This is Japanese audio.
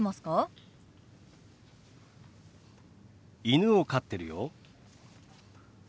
犬を飼ってるよ。